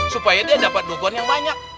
supaya dia dapat beban yang banyak